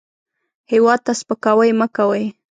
هېواد ته سپکاوی مه کوئ